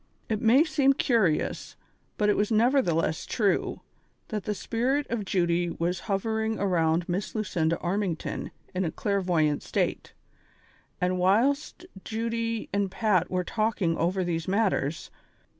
It may seem curious, but it was nevertheless true, that the spirit of Judy was hovering around Miss Lucinda Armington in a clairvoyant state, and whilst Judy and Pat were talking over these matters.